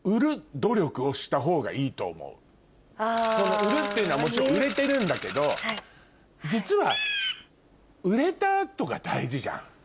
売るっていうのはもちろん売れてるんだけど実は売れた後が大事じゃん。